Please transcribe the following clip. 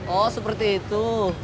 oh seperti itu